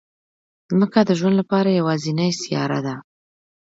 ځمکه د ژوند لپاره یوازینی سیاره ده